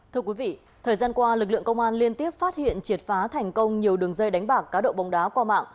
thưa quý vị thời gian qua lực lượng công an liên tiếp phát hiện triệt phá thành công nhiều đường dây đánh bạc cá độ bóng đá qua mạng